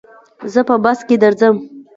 زه په بس کي درځم.